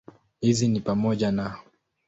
Hizi ni pamoja na